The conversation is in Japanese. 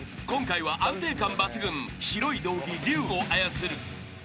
今回は安定感抜群白い胴着リュウを操る］